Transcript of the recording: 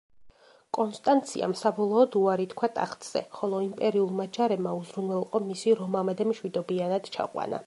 კონსტანციამ საბოლოოდ უარი თქვა ტახტზე, ხოლო იმპერიულმა ჯარებმა უზრუნველყო მისი რომამდე მშვიდობიანად ჩაყვანა.